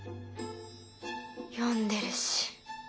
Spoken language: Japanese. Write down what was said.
読んでるし